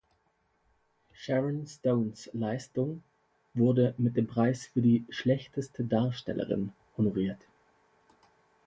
Sharon Stones Leistung wurde mit dem Preis für die "Schlechteste Darstellerin" honoriert.